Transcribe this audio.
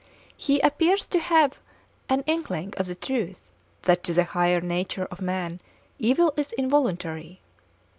He appears to have an inkling of the truth that to the higher nature of man evil is involuntary.